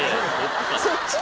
そっち？